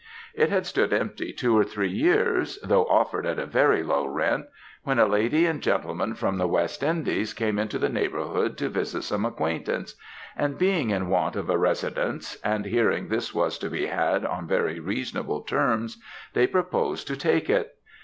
"It had stood empty two or three years, though offered at a very low rent, when a lady and gentleman from the West Indies came into the neighbourhood to visit some acquaintance, and being in want of a residence, and hearing this was to be had on very reasonable terms, they proposed to take it.